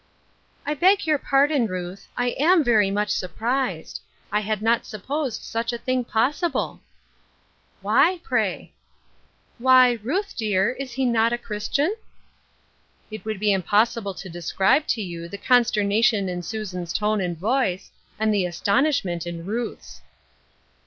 " I beg your pardon, Ruth. I am very much surprised. I had not supposed such a thing possible." "Why, pray?" " Why, Ruth, dear, he is not a Christian ?" It would be impossible to describe to you the 248 Ruth Ershine'f Crosses, consternation in Susan's face and voice, and the astonishment in Ruth's.